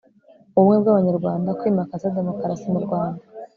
ubumwe bw'abanyarwanda, kwimakaza demokarasi mu rwanda